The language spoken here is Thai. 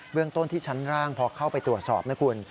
เรื่องต้นที่ชั้นล่างพอเข้าไปตรวจสอบนะคุณ